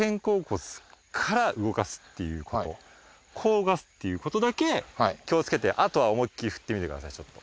こう動かすっていうことだけ気をつけてあとは思いっきり振ってみてくださいちょっと。